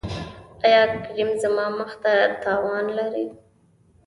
ایا کریم زما مخ ته تاوان لري؟